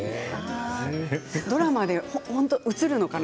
ドラマで本当に映るのかな。